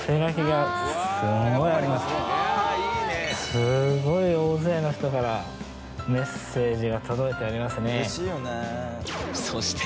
すごい大勢の人からメッセージが届いておりますね。